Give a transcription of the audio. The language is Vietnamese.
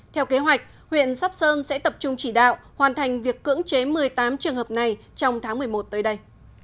theo kế hoạch huyện sóc sơn sẽ tập trung chỉ đạo hoàn thành việc cưỡng chế một mươi tám trường hợp này trong tháng một mươi một tới đây